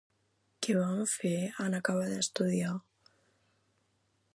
Què va fer en acabar d'estudiar?